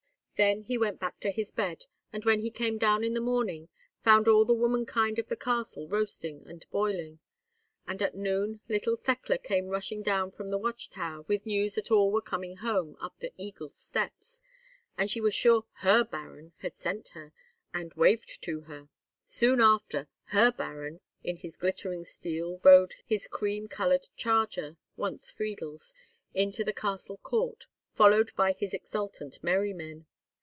Then he went back to his bed, and when he came down in the morning, found all the womankind of the castle roasting and boiling. And, at noon, little Thekla came rushing down from the watch tower with news that all were coming home up the Eagle's Steps, and she was sure her baron had sent her, and waved to her. Soon after, her baron in his glittering steel rode his cream coloured charger (once Friedel's) into the castle court, followed by his exultant merrymen.